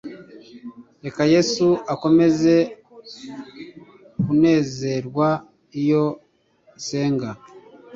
Reka Yesu akomeze kunezerwa iyo nsenga